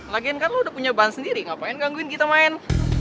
lagian kan lo udah punya bahan sendiri ngapain gangguin kita main